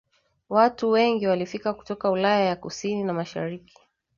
wengi walifika kutoka Ulaya ya Kusini na Mashariki